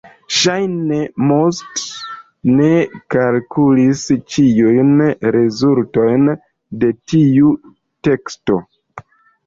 Ŝajne Most ne kalkulis ĉiujn rezultojn de tiu teksto.